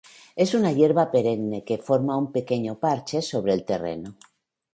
Es una hierba perenne que forma un pequeño parche sobre el terreno.